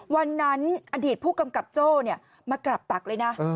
วันนั้นอดีตผู้กำกับโจ้มากราบตักเลยนะ